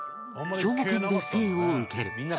兵庫県で生を受ける